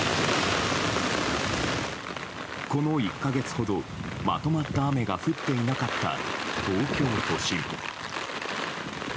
この１か月ほど、まとまった雨が降っていなかった東京都心。